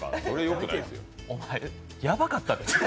お前、やばかったで。